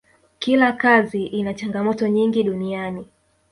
kila kazi ina changamoto nyingi duniani